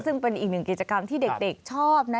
ซึ่งเป็นอีกหนึ่งกิจกรรมที่เด็กชอบนะ